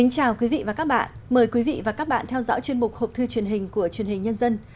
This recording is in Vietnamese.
chào mừng quý vị đến với bộ phim học thư truyền hình của chuyên hình nhân dân